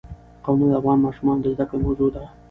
قومونه د افغان ماشومانو د زده کړې موضوع ده.